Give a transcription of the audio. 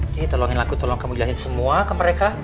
jadi tolonginlah aku tolong kamu jelasin semua ke mereka